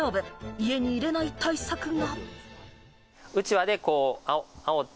家に入れない対策が。